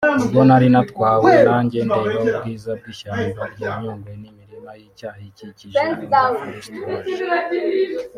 ubwo nari natwawe najye ndeba ubwiza bw’ishyamba rya nyungwe n’imirima y’icyayi ikikije Nyungwe Forest Loge